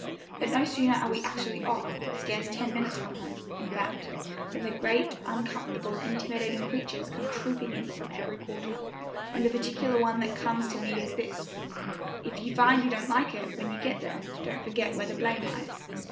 But no sooner are we actually off, scarce ten minutes from home, in fact, than the great, uncomfortable, intimidating creatures come trooping in from every quarter, and the particular one that comes to me is this, If you find you don't like it when you get there, don't forget where the blame lies.